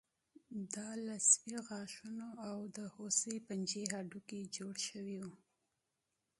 دا له سپي غاښونو او د هوسۍ پنجې هډوکي جوړ شوي وو